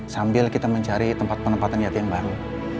sambil kita mencari tempat penempatan yati yang baru